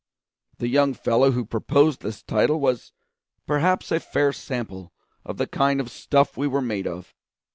The young fellow who proposed this title was perhaps a fair sample of the kind of stuff we were made of.